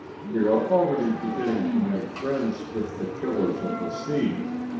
We are already beginning to make friends with the killers of the sea.